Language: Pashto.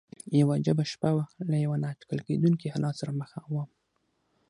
یوه عجیبه شپه وه، له یوه نا اټکل کېدونکي حالت سره مخ ووم.